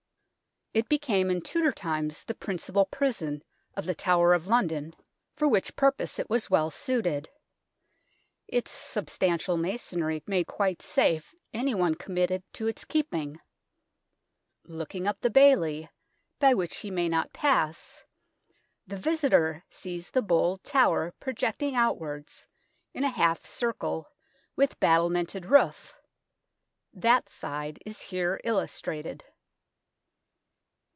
It became in Tudor times the principal 104 THE BEAUCHAMP TOWER 105 prison of the Tower of London, for which purpose it was well suited. Its substantial masonry made quite safe anyone committed to its keeping. Looking up the bailey, by which he may not pass, the visitor sees the bold tower projecting outwards in a half circle, with battlemented roof. That side is here illustrated.